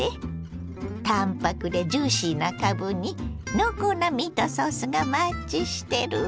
淡泊でジューシーなかぶに濃厚なミートソースがマッチしてるわ。